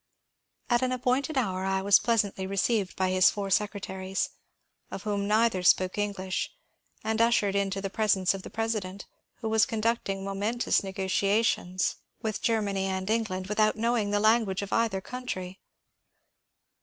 At an ap pointed hour I was pleasantly received by his four secretaries, of whom neither spoke £nglish, and ushered into the presence of the President, who was conducting momentous negotiations with Germany and England without knowing the language of either country.